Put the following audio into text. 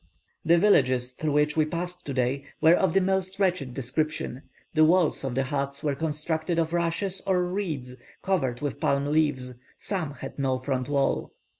The villages through which we passed today were of the most wretched description; the walls of the huts were constructed of rushes, or reeds, covered with palm leaves; some had no front wall.